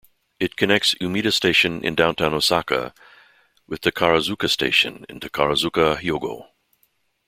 It connects Umeda Station in downtown Osaka with Takarazuka Station in Takarazuka, Hyogo.